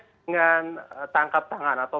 dengan tangkap tangan atau